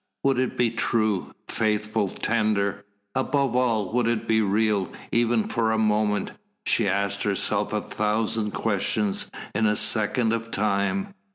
Would it be true, faithful, tender? Above all, would it be real, even for a moment? She asked herself a thousand questions in a second of time.